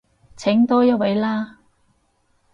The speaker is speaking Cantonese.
請多一位啦